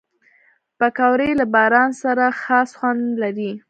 پکورې له باران سره خاص خوند لري